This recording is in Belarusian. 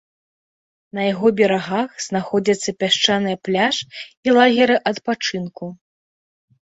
На яго берагах знаходзяцца пясчаныя пляж і лагеры адпачынку.